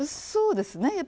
そうですね。